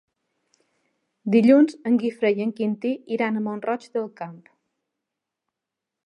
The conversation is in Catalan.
Dilluns en Guifré i en Quintí iran a Mont-roig del Camp.